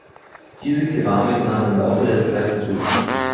Diese Keramik nahm im Laufe der Zeit zu.